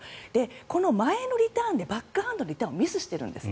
この前のリターンでバックハンドでミスしているんです。